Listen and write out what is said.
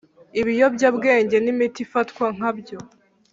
ibiyobyabwenge n imiti ifatwa nkabyo